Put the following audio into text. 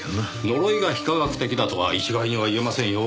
呪いが非科学的だとは一概には言えませんよ。